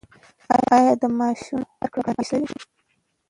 آیا د معاشونو ورکړه بانکي شوې؟